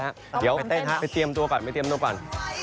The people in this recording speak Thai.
เดี๋ยวไปเต้นฮะไปเตรียมตัวก่อนไปเตรียมตัวก่อน